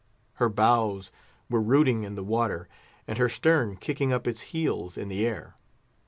Her bows were rooting in the water, and her stern kicking up its heels in the air.